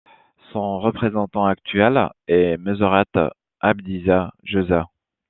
Son représentant actuel est Meseret Abdisa Gesa.